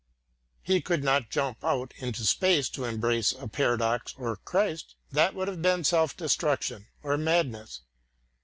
He could not jump out in space to embrace a paradox or Christ, that would have been self destruction or madness.